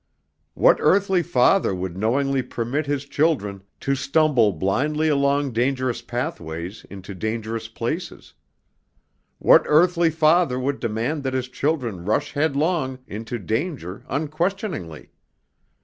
What earthly father would knowingly permit his children to stumble blindly along dangerous pathways into dangerous places? What earthly father would demand that his children rush headlong into danger unquestioningly?